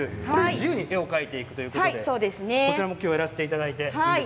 自由に絵を描いていくということでこちらもやらせていただいて。